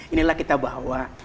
inilah kita bahwa